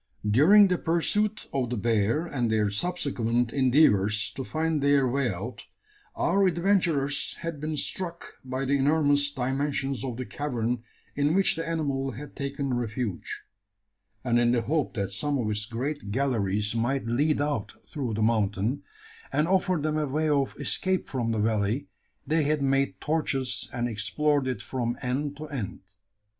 During the pursuit of the bear, and their subsequent endeavours to find their way out, our adventurers had been struck by the enormous dimensions of the cavern in which the animal had taken refuge; and in the hope that some of its great galleries might lead out through the mountain, and offer them a way of escape from the valley, they had made torches, and explored it from end to end.